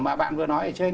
mà bạn vừa nói ở trên